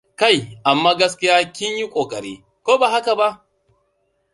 Kai amma gaskiya kin yi ƙoƙari, ko ba haka ba?